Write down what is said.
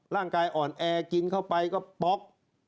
ร่างกายอ่อนแอกินเข้าไปก็ป๊อก